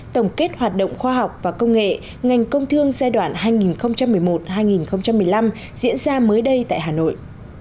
tổng kết hoạt động khoa học và công nghệ ngành công thương giai đoạn hai nghìn một mươi một hai nghìn một mươi năm diễn ra mới đây tại hà nội